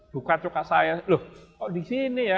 buka buka saya loh kok di sini ya